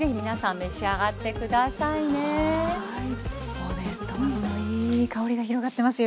もうねトマトのいい香りが広がってますよ。